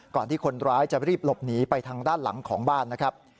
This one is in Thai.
ที่คนร้ายจะรีบหลบหนีไปทางด้านหลังของบ้านนะครับ